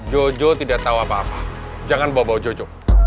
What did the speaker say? jojo tidak tau apa apa jangan bawa bawa jojo